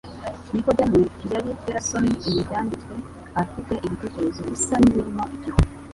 Nikodemo yari yarasomye ibi byanditswe afite ibitekerezo bisa n’ibirimo igihu;